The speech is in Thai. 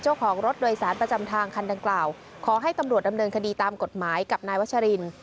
เจ้าของรถโดยสารประจำทางคันดังกล่าวขอให้ตำรวจดำเนินคดีตามกฎหมายกับนายวัชริน